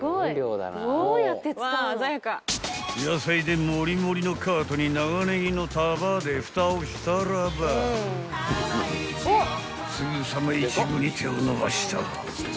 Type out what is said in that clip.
［野菜でもりもりのカートに長ネギの束でふたをしたらばすぐさまイチゴに手を伸ばした］